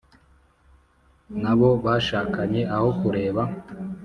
nabo bashakanye aho kureba